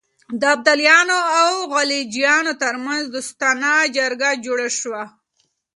د ابدالیانو او غلجیانو ترمنځ دوستانه جرګه جوړه شوه.